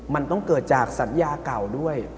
มันต้องเกิดจากสัญญาเก่าด้วย